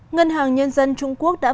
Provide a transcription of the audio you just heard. ngân hàng nhân dân trung quốc booking